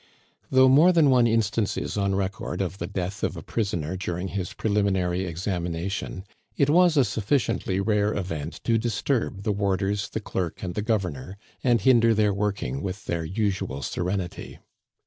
Though more than one instance is on record of the death of a prisoner during his preliminary examination, it was a sufficiently rare event to disturb the warders, the clerk, and the Governor, and hinder their working with their usual serenity.